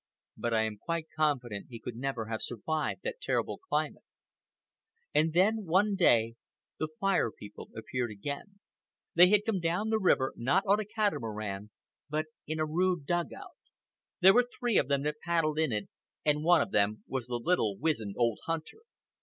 But I am quite confident he could never have survived that terrible climate. And then, one day, the Fire People appeared again. They had come down the river, not on a catamaran, but in a rude dug out. There were three of them that paddled in it, and one of them was the little wizened old hunter.